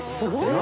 何？